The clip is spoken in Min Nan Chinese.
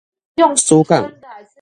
史港